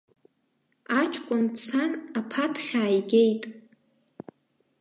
Аҷкәын дцан аԥаҭхь ааигеит.